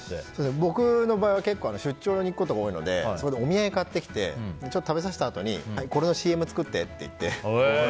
僕の場合出張に行くことが多いのでお土産を買ってきてちょっと食べさせたあとにこれのＣＭ作ってって。